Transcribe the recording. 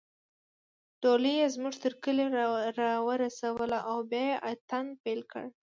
ډولۍ يې زموږ تر کلي راورسوله او بیا يې اتڼ پیل کړ